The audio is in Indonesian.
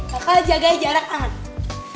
kakak jaga jarak aman